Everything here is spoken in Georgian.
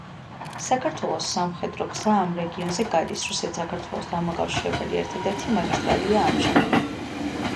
საქართველოს სამხედრო გზა ამ რეგიონზე გადის, რუსეთ-საქართველოს დამაკავშირებელი ერთადერთი მაგისტრალია ამჟამად.